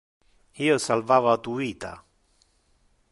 Io salvava tu vita.